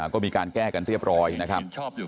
ก็มีการแก้กันเรียบร้อยนะครับ